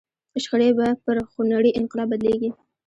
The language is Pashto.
شخړې به پر خونړي انقلاب بدلېږي.